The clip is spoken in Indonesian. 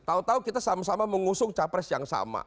tahu tahu kita sama sama mengusung capres yang sama